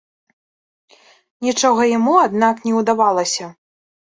Нічога яму, аднак, не ўдавалася.